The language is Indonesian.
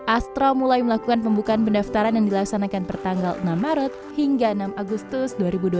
astra mulai melakukan pembukaan pendaftaran yang dilaksanakan pertanggal enam maret hingga enam agustus dua ribu dua puluh